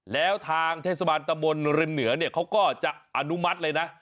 แล้วทางเทศบาลตะมนต์เร็มเหนือเขาก็จะอนุมัติเลยนะ